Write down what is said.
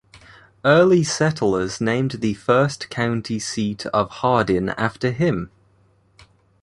Early settlers named the first county seat of Hardin after him.